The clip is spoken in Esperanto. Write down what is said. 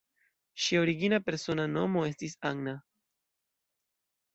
Ŝia origina persona nomo estis "Anna".